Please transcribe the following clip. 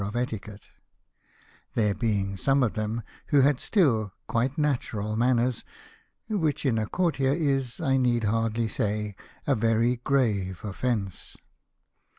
of Etiquette ; there being some of them who had still quite natural manners, which in a courtier is, I need hardly say, a very grave offence.